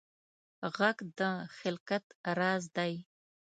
غږ د خلقت راز دی